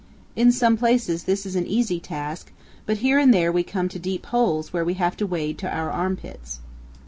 In some places this is an easy task, but here and there we come to deep holes where we have to wade to our armpits.